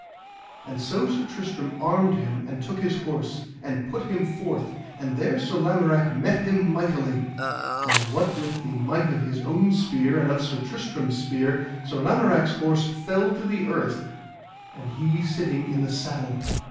And so Sir Tristram armed him and took his horse, and put him forth, and there Sir Lamorak met him mightily, and what with the might of his own spear, and of Sir Tristram's spear, Sir Lamorak's horse fell to the earth, and he sitting in the saddle.